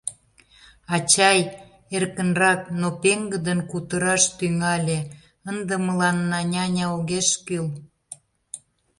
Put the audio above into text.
— Ачай, — эркынрак, но пеҥгыдын кутыраш тӱҥале, — ынде мыланна няня огеш кӱл.